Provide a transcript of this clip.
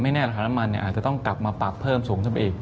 ไม่แน่ราคาน้ำมันเนี่ยอาจจะต้องกลับมาปรับเพิ่มสูงเท่าไปอีก